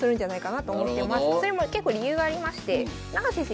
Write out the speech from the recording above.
それも結構理由がありまして永瀬先生